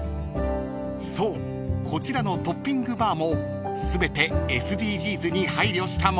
［そうこちらのトッピングバーも全てＳＤＧｓに配慮したもの］